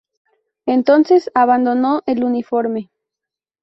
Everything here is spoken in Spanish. Entonces abandonó el uniforme.